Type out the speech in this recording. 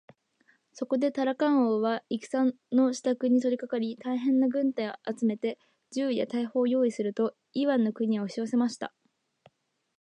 そこでタラカン王は戦のしたくに取りかかり、大へんな軍隊を集めて、銃や大砲をよういすると、イワンの国へおしよせました。